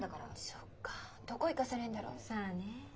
そっかどこ行かされるんだろう？さあねえ。